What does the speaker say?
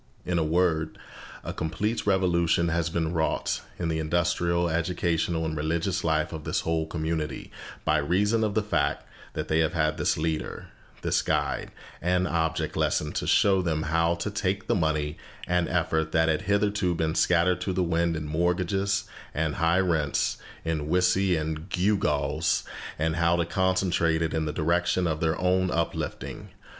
In a word, a complete revolution has been wrought in the industrial, educational, and religious life of this whole community by reason of the fact that they have had this leader, this guide and object lesson, to show them how to take the money and effort that had hitherto been scattered to the wind in mortgages and high rents, in whiskey and gewgaws, and how to concentrate it in the direction of their own uplifting.